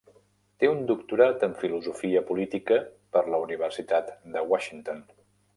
Té un doctorat en filosofia política per la universitat de Washington.